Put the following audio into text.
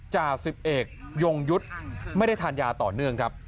จ่าสิบเอกยงยุทธ์ไม่ได้ทานยาต่อเนื่องครับ